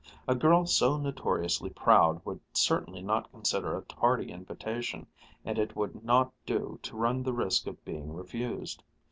A girl so notoriously proud would certainly not consider a tardy invitation, and it would not do to run the risk of being refused.